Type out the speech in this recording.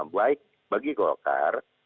baik bagi golkar